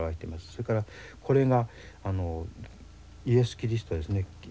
それからこれがイエス・キリストですね。